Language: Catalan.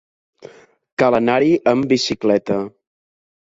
Cal anar-hi amb bicicleta.